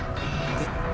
えっ？